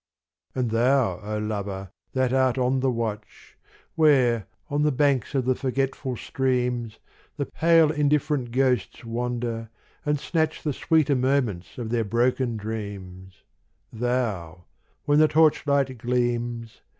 And thou, O lover, that art on the watch, Where, on the banks of the forgetful streams. The pale indifferent ghosts wander, and snatch The sweeter moments of their broken dreams, — Thou, when the torchlight gleams.